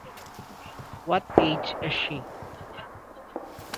What age is she?